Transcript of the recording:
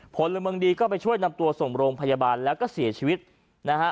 พลเมืองดีก็ไปช่วยนำตัวส่งโรงพยาบาลแล้วก็เสียชีวิตนะฮะ